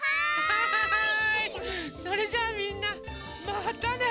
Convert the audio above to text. それじゃあみんなまたね！